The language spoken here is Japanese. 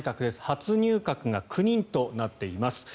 初入閣が９人となっています。